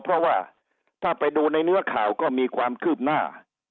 เพราะว่าถ้าไปดูในเนื้อข่าวก็มีความคืบหน้า